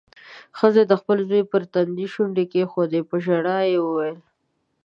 ښځې د خپل زوی پر تندي شونډې کېښودې. په ژړا کې يې وويل: